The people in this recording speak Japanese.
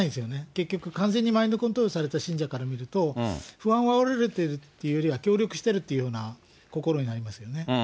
結局、完全にマインドコントロールされた信者から見ると、不安をあおられているというよりは、協力してるというふうな心になりますよね。